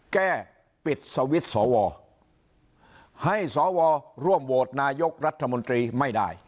แก้ปิดสวิตช์สวให้สวร่วมโหวตนายกรัฐมนตรีไม่ได้